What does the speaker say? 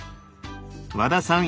和田さん